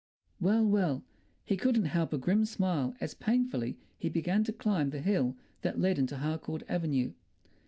Well, well! He couldn't help a grim smile as painfully he began to climb the hill that led into Harcourt Avenue.